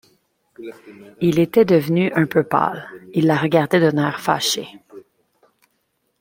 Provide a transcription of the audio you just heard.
Il était devenu un peu pâle, il la regardait d’un air fâché.